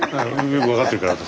よく分かってるから私。